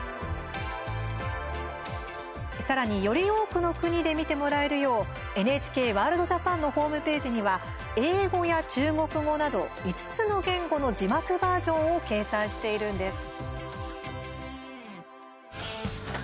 さらにより多くの国で見てもらえるようＮＨＫワールドＪＡＰＡＮのホームページには英語や中国語など５つの言語の字幕バージョンを掲載しているんです。